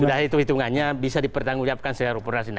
sudah hitung hitungannya bisa dipertanggungjawabkan secara operasional